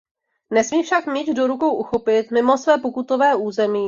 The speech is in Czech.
Nesmí však míč do rukou uchopit mimo své pokutové území.